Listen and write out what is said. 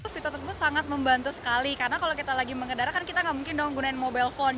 fitur tersebut sangat membantu sekali karena kalau kita lagi mengedara kan kita nggak mungkin dong gunain mobile phone